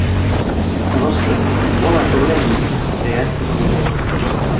Ta vastas, et pole probleemi ja jätkas oma teed.